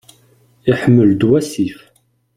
Iḥemmel-d wasif.